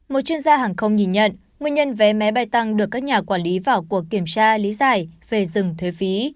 một chuyên gia hàng không nhìn nhận nguyên nhân vé máy bay tăng được các nhà quản lý vào cuộc kiểm tra lý giải về dừng thuế phí